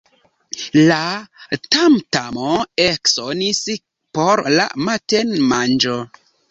La tamtamo eksonis por la matenmanĝo.